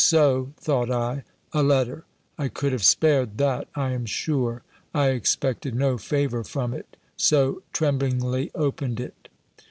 "So," thought I, "a letter! I could have spared that, I am sure." I expected no favour from it. So tremblingly, opened it.